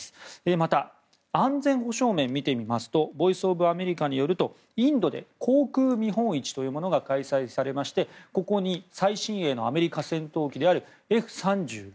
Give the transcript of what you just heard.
また、安全保障面を見てみますとボイス・オブ・アメリカによるとインドで航空見本市というものが開催されましてここに最新鋭のアメリカ戦闘機であるＦ３５